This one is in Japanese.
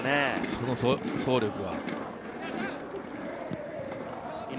その走力は。